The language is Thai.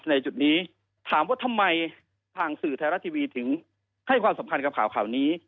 ในจุดนี้ถามว่าทำไมทางสื่อไทยรัฐทีวีถึงให้ความสำคัญกับข่าวนี้